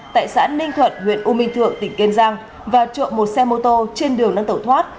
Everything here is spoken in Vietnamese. tại xã ninh thuận huyện u minh thượng tỉnh kên giang và trộm một xe mô tô trên đường năng tổ thoát